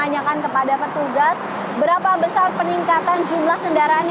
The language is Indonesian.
ya betul sekali yudha